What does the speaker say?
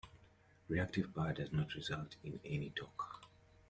Reactive power does not result in any torque.